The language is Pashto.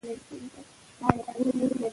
د علم په رڼا کې پر مختګ باید دوام ولري.